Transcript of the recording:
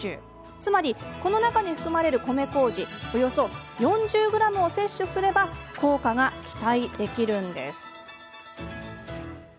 つまりこの中に含まれる米こうじおよそ４０ｇを摂取すれば効果が期待できるんです。